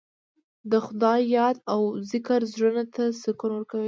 د خدای یاد او ذکر زړونو ته سکون ورکوي.